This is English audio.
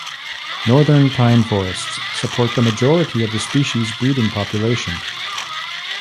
Northern pine forests supports the majority of the species breeding population.